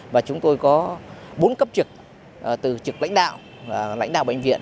và chúng tôi có bốn cấp trực từ trực lãnh đạo lãnh đạo bệnh viện